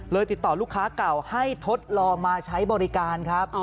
ติดต่อลูกค้าเก่าให้ทดลองมาใช้บริการครับ